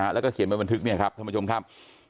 แล้วก็เขียนไปบันทึกเนี่ยครับท่านผู้ชมครับ